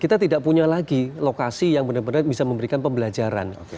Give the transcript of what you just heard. kita tidak punya lagi lokasi yang benar benar bisa memberikan pembelajaran